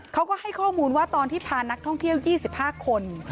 เขาก็ให้ข้อมูลว่าตอนที่พานักท่องเที่ยว๒๕คน